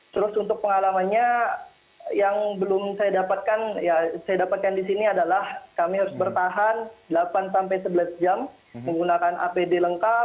terus untuk pengalamannya yang belum saya dapatkan ya saya dapatkan di sini adalah kami harus bertahan delapan sampai sebelas jam menggunakan apd lengkap